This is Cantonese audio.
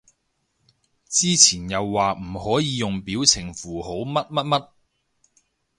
之前又話唔可以用表情符號乜乜乜